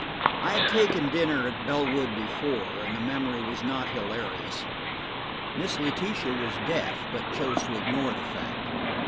I had taken dinner at Bellwood before, and the memory was not hilarious. Miss Letitia was deaf, but chose to ignore the fact.